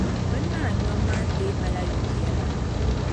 Bini maa nyom maa, teema la yiŋ yela.